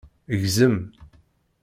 Gzem!